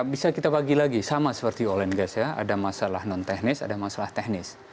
bisa kita bagi lagi sama seperti oleng gas ya ada masalah non teknis ada masalah teknis